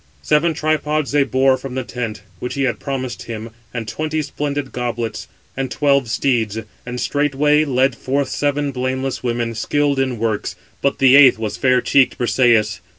Seven tripods they bore from the tent, which he had promised him, and twenty splendid goblets, and twelve steeds; and straightway led forth seven blameless women, skilled in works, but the eighth was fair cheeked Briseïs.